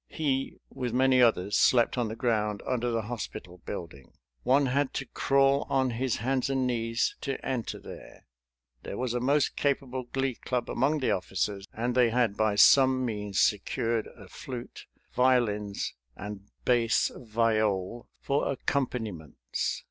He, with many others, slept on the ground under the hospital building. One had to crawl on his hands and knees to enter there. There was a most capable Glee Club among the officers, and they had by some means secured a flute, violins, and bass viol for accompaniments.